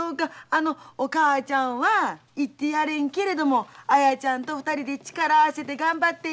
あの「お母ちゃんは行ってやれんけれども綾ちゃんと２人で力合わせて頑張って」